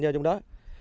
vô trong đó